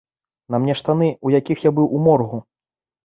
На мне штаны, у якіх я быў у моргу.